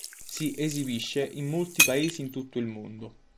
Si esibisce in molti paesi in tutto il mondo.